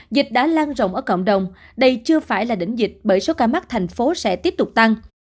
dịch đã lan rộng ở cộng đồng đây chưa phải là đỉnh dịch bởi số ca mắc thành phố sẽ tiếp tục tăng